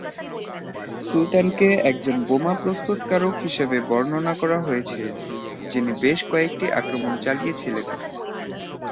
সুলতানকে একজন বোমা প্রস্তুতকারক হিসাবে বর্ণনা করা হয়েছে, যিনি বেশ কয়েকটি আক্রমণ চালিয়েছিলেন।